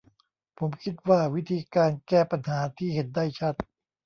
ผมคิดว่าวิธีการแก้ปัญหาที่เห็นได้ชัด